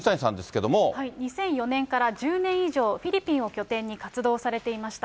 ２００４年から１０年以上、フィリピンを拠点に活動されていました。